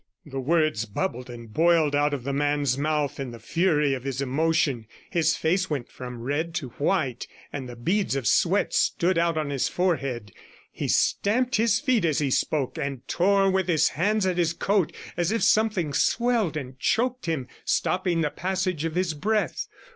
The words bubbled and boiled out of the man's mouth in the fury of his emotion, his face went from red to white, and the beads of sweat stood out on his forehead; he stamped his feet as he spoke, and tore with his hand at his coat, as if something swelled and choked him, stopping the passage of his breath.